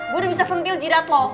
gue udah bisa sentil jirat lo